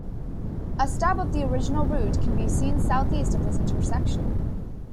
A stub of the original route can be seen southeast of this intersection.